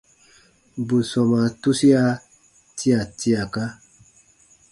Bù sɔmaa tusia tia tiaka.